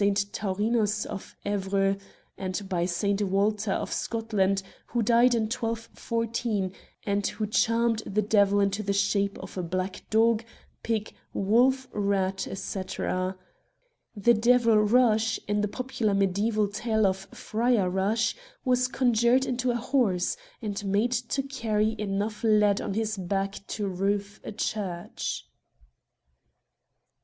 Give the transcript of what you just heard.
Taurinus of Evreux, and by S. Walther of Scotland, who died in 12 14, and who charmed the devil into the shapes of a black dog, pig, wolf, rat, etc. The devil Rush, in the popular mediaeval tale of Fryer Rush, was conjured into a horse, and made to carry enough lead on his back to roof a church.